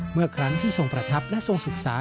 เมื่อครั้งที่ทรงประทับและทรงศึกษา